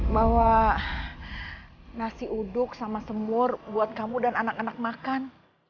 bawa nasi uduk sama semur buat kamu dan anak anak makan